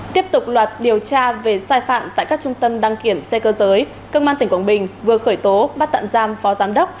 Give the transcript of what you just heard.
tiếp tục loạt điều tra về sai phạm tại các trung tâm đăng kiểm xe cơ giới công an tỉnh quảng bình vừa khởi tố bắt tạm giam phó giám đốc